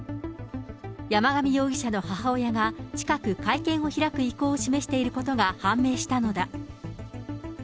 山上容疑者の母親が近く、会見を開く意向を示していることが判明したのだ。